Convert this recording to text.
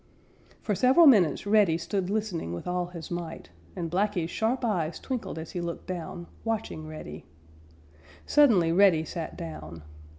For several minutes Reddy stood listening with all his might, and Blacky's sharp eyes twinkled as he looked down, watching Reddy. Suddenly Reddy sat down.